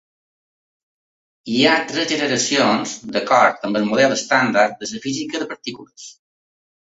Hi ha tres generacions d'acord amb el model estàndard de la física de partícules.